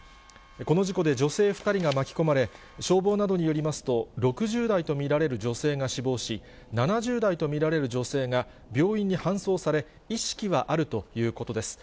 この事故で、女性２人が巻き込まれ、消防などによりますと、６０代と見られる女性が死亡し、７０代と見られる女性が病院に搬送され、意識はあるということです。